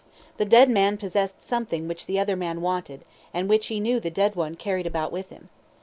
The dead man possessed something which the other man wanted, and which he knew the dead one carried about with him.